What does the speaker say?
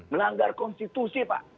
melanggar konstitusi pak